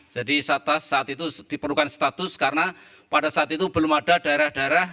jadi saat itu diperlukan status karena pada saat itu belum ada daerah daerah